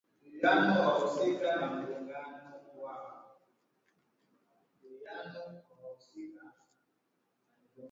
Na mwaka uliofuata elfu mmoja mia tisa sitini na saba Idhaa ya Kiswahili ya Sauti ya Amerika ilianzishwa